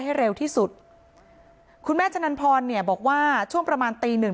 ให้เร็วที่สุดคุณแม่ชะนันพรเนี่ยบอกว่าช่วงประมาณตีหนึ่ง